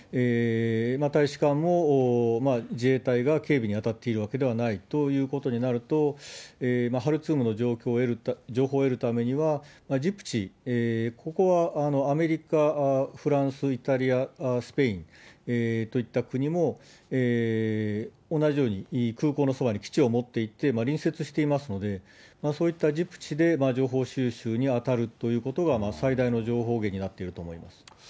大使館も自衛隊が警備に当たっているわけではないということになると、ハルツームの情報を得るためには、ジブチ、ここはアメリカ、フランス、イタリア、スペインといった国も同じように空港のそばに基地を持っていて、隣接していますので、そういったジブチで情報収集に当たるということは、最大の情報源になっていると思います。